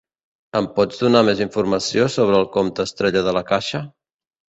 Em pots donar més informació sobre el compte Estrella de La Caixa?